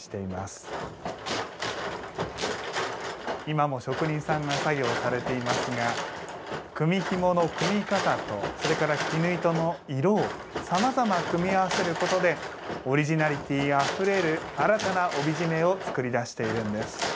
今も職人さんが作業されていますが組みひもの組み方とそれから絹糸の色をさまざま組み合わせることでオリジナリティーあふれる新たな帯締めを作り出しているんです。